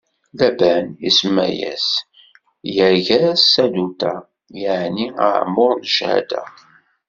Laban isemma-as Yagar Saduta, yeɛni aɛemmuṛ n cchada.